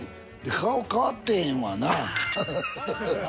顔変わってへんわ。